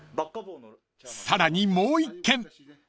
［さらにもう１軒］